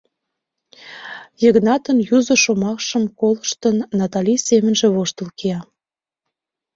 — Йыгнатын юзо шомакшым колыштын, Натали семынже воштыл кия.